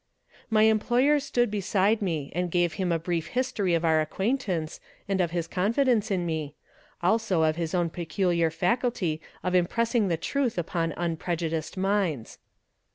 My employer stood beside me and gave him a brief history of our acquaintance and of his confidence in me; also of his own peculiar faculty of impressing the truth upon unprejudiced minds.